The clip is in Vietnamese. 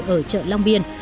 ở chợ long biên